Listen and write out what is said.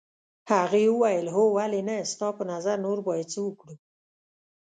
هغې وویل هو ولې نه ستا په نظر نور باید څه وکړو.